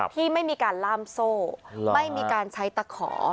ที่ไม่มีการล่ามโซ่ไม่มีการใช้ตะขอ